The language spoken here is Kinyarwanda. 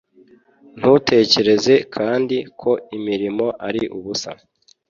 ntutekereze kandi ko imirimo ari ubusa.